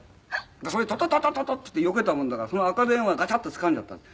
それでタタタタタタってよけたもんだからその赤電話ガチャッとつかんじゃったんです。